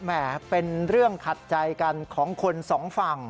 เป็นเรื่องขัดใจกันของคนสองฝั่ง